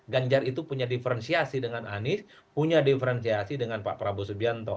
ganjar itu punya diferensiasi dengan anies punya diferensiasi dengan pak prabowo subianto